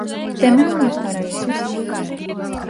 ¿Temen molestar a eses?